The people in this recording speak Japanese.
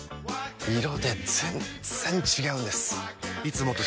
色で全然違うんです！